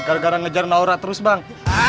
gara gara ngejar naura terus bang